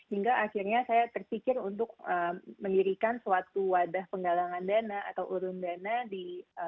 hingga akhirnya saya terpikir untuk mendirikan suatu wadah penggalangan dana atau urun dana di